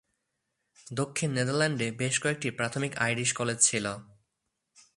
দক্ষিণ নেদারল্যান্ডে বেশ কয়েকটি প্রাথমিক আইরিশ কলেজ ছিল।